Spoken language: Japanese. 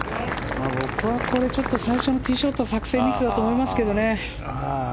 最初のティーショットは作戦ミスだと思いますけどね。